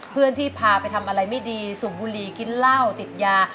เพื่อนที่พาไปทำอะไรไม่ดีสูบบุหรี่กินเหล้าติดยา